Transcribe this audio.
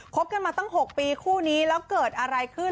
บกันมาตั้ง๖ปีคู่นี้แล้วเกิดอะไรขึ้น